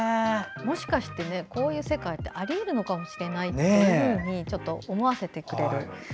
もしかしてこういう世界ってあり得るのかもしれないと思わせてくれる。